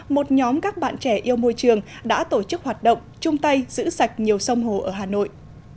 một nhóm các bạn trẻ yêu môi trường đã tổ chức hoạt động chung tay giữ sạch nhiều sông hồ ở hà nội